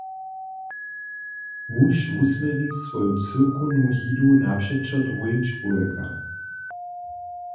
Muž wusměri swoju cyłkownu hidu napřećo druhim čłowjekam.